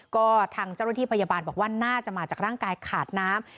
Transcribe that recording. ก็ทางเจ้าหน้าที่พยาบาลบอกว่าน่าจะมาจากร่างกายขาดน้ำ